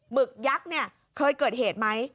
หมึกยักษ์เคยเกิดเหตุไหม